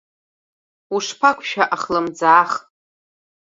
Ушԥақәшәа ахлымӡаах!